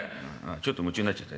「ちょっと夢中になっちゃった。